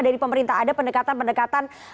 dari pemerintah ada pendekatan pendekatan